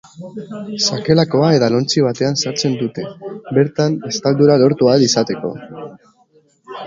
Sakelakoa edalontzi batean sartzen dute, bertan estaldura lortu ahal izateko.